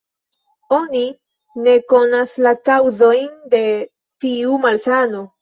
Oni ne konas la kaŭzojn de tiu malsano.